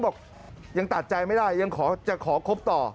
บอกยังตัดใจไม่ได้ยังจะขอคบต่อ